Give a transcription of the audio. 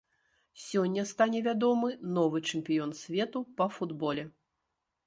Сёння стане вядомы новы чэмпіён свету па футболе.